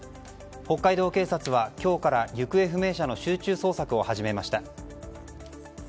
北海道警察は今日から行方不明者の集中捜索を始めました。